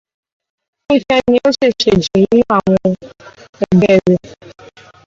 Funkẹ́ ni ó ṣiṣẹ́ jù nínú àwọn ẹgbẹ́ rẹ̀.